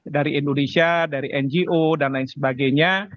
dari indonesia dari ngo dan lain sebagainya